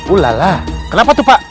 ulala kenapa tuh pak